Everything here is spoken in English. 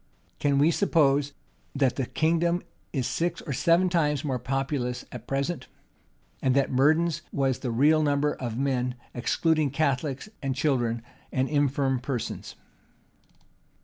Can we suppose that the kingdom is six or seven times more populous at present? and that Murden's was the real number of men, excluding Catholics, and children, and infirm persons?